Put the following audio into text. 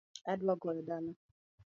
Adwa goyo dala